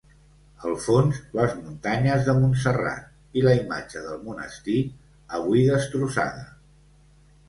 Al fons, les muntanyes de Montserrat i la imatge del monestir, avui destrossada.